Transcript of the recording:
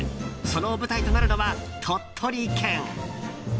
その舞台となるのは鳥取県。